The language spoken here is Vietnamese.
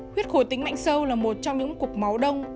huyết khối tĩnh mạch sâu là một trong những cục máu đông